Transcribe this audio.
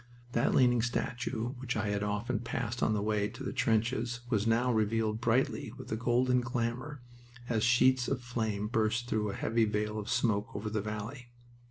That leaning statue, which I had often passed on the way to the trenches, was now revealed brightly with a golden glamour, as sheets of flame burst through a heavy veil of smoke over the valley.